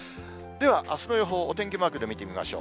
ではあすの予報をお天気マークで見てみましょう。